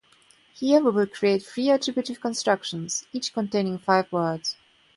Here, we will create three attributive constructions, each containing five words.